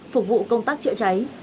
phục vụ công tác chữa cháy